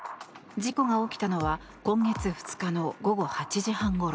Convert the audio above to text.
事故が起きたのは今月２日の午後８時半ごろ。